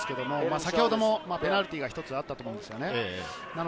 先ほどもペナルティーが１つあったと思うんですね。